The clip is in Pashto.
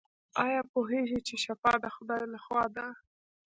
ایا پوهیږئ چې شفا د خدای لخوا ده؟